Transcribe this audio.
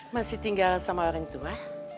masih tinggal sama orang tua